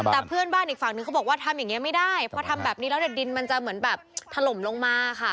แต่เพื่อนบ้านอีกฝั่งนึงเขาบอกว่าทำอย่างนี้ไม่ได้พอทำแบบนี้แล้วเนี่ยดินมันจะเหมือนแบบถล่มลงมาค่ะ